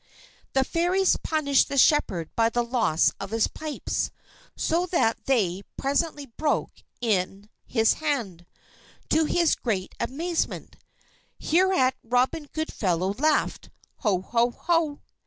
The Fairies punished the shepherd by the loss of his pipes, so that they presently broke in his hand, to his great amazement. Hereat Robin Goodfellow laughed, "Ho! Ho! Ho!"